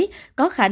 có khả năng dịch bệnh